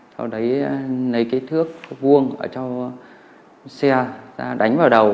sau đấy lấy cái thước vuông ở cho xe ra đánh vào đầu